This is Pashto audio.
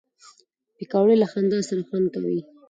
پکورې له خندا سره خوند کوي